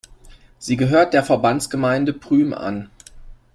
Sie gehört der Verbandsgemeinde Prüm an.